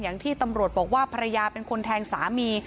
อย่างที่ตำรวจบอกว่าภรรยาเป็นคนแทงสามี